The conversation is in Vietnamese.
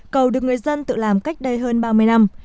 cầu được người dân tự làm cách đây hơn ba mươi năm